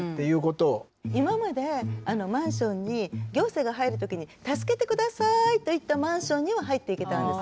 今までマンションに行政が入る時に助けてくださいと言ったマンションには入っていけたんです。